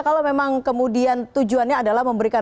kalau memang kemudian tujuannya adalah memberikan